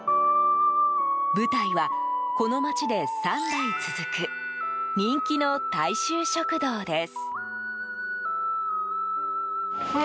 舞台は、この町で３代続く人気の大衆食堂です。